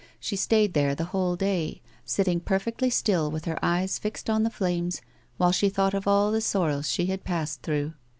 She stayed there the whole day, sitting perfectly still with her eyes fixed on the ilames while she thought of all the sorrows she had passed through.